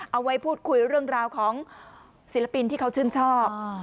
เอาไว้พูดคุยเรื่องราวของศิลปินที่เขาชื่นชอบ